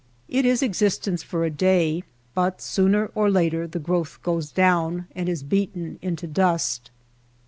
It is existence for a day, but sooner or later the growth goes down and is beaten into dust.